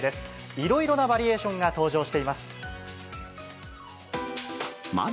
いろいろなバリエーションが登場しています。